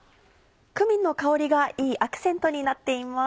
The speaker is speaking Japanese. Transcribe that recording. クミンの香りがいいアクセントになっています。